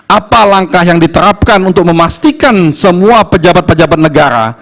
apa langkah yang diterapkan untuk memastikan semua pejabat pejabat negara